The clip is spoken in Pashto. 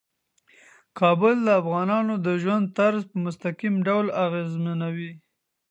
کابل د افغانانو د ژوند طرز په مستقیم ډول اغېزمنوي.